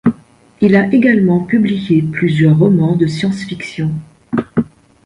Il a également publié plusieurs romans de science-fiction.